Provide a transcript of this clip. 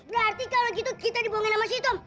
berarti kalau gitu kita dibohongin sama si tom